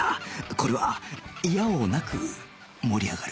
これはいや応なく盛り上がる